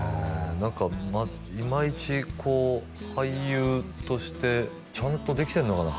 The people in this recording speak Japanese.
何かイマイチこう俳優としてちゃんとできてんのかな